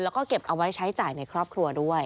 แล้วก็เก็บเอาไว้ใช้จ่ายในครอบครัวด้วย